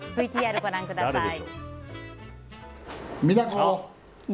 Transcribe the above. ＶＴＲご覧ください。